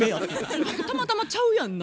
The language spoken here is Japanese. たまたまちゃうやんな。